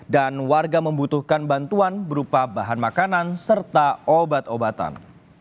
dan warga membutuhkan bantuan berupa bahan makanan serta obat obatan